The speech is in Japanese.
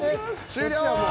終了！